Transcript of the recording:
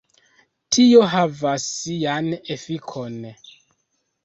Tio havis sian efikon.